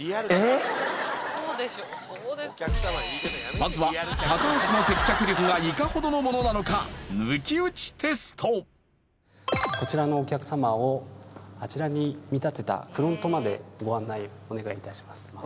まずは橋の接客力がいかほどのものなのかこちらのお客さまをあちらに見立てたフロントまでご案内お願いいたします。